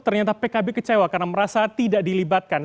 ternyata pkb kecewa karena merasa tidak dilibatkan